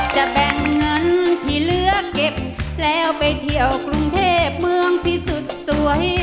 จะแบ่งเงินที่เหลือเก็บแล้วไปเที่ยวกรุงเทพเมืองที่สุดสวย